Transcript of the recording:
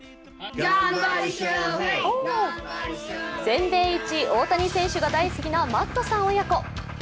全米一、大谷選手が大好きなマットさん親子。